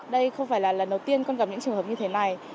đây không phải là lần đầu tiên con gặp những trường hợp như thế này